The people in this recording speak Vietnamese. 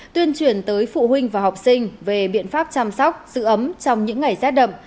tuyên truyền tới phụ huynh và học sinh về biện pháp chăm sóc giữ ấm trong những ngày rét đậm